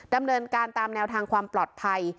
ดำเนินการตามแนวทางความปลอดภัย